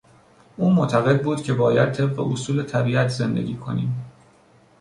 او معتقد بود که باید طبق اصول طبیعت زندگی کنیم.